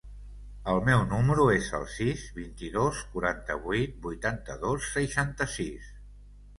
El meu número es el sis, vint-i-dos, quaranta-vuit, vuitanta-dos, seixanta-sis.